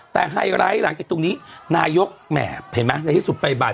แต่ไฮไลท์หลังจากตรงนี้นายกแหม่เห็นไหมในที่สุดบ่าย